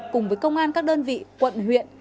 cùng với công an các đơn vị quận huyện